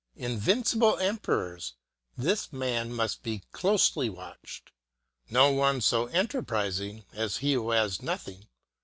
Invincible emperors, this man must be closely watched; no one so enterprising as he who has nothing.